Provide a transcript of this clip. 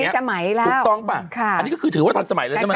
ถูกต้องป่ะอันนี้ก็คือถือว่าทันสมัยแล้วใช่ไหมครับ